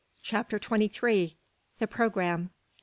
CHAPTER TWENTY THREE. THE PROGRAMME.